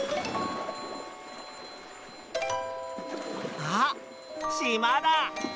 あっしまだ。